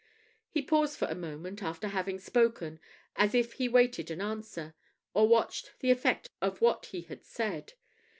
He paused for a moment, after having spoken, as if he waited an answer, or watched the effect of what he had said.